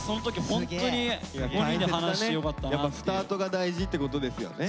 やっぱスタートが大事ってことですよね。